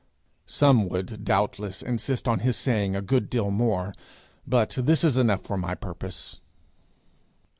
Some would doubtless insist on his saying a good deal more, but this is enough for my purpose.